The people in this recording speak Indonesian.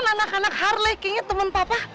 itu kan anak anak harley kayaknya temen papa